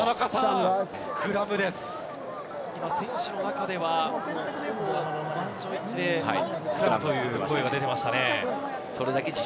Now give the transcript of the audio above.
今、選手の中では満場一致でスクラムという声が出ていましたね。